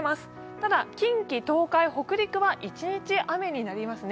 ただ、近畿、東海、北陸は一日雨になりますね。